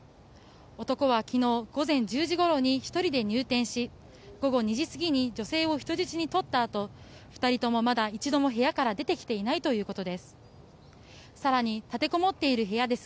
男は昨日午前１０時ごろに１人で入店し午後２時過ぎに女性を人質に取ったあと２人ともまだ一度も部屋から出てきていないということです。